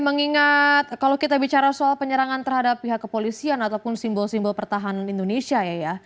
mengingat kalau kita bicara soal penyerangan terhadap pihak kepolisian ataupun simbol simbol pertahanan indonesia ya